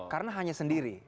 karena hanya sendiri